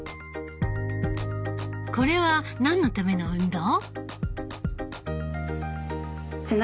これは何のための運動？